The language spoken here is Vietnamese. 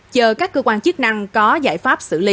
chờ các cơ quan chức năng có giải pháp xử lý